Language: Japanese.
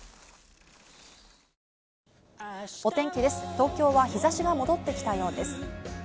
東京は日差しが戻ってきたようです。